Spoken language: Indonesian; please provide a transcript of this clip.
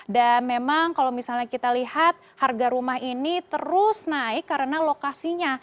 dan memang kalau misalnya kita lihat harga rumah ini terus naik karena lokasinya